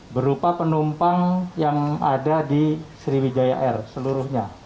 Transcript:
berupa penumpang yang ada di sriwijaya air seluruhnya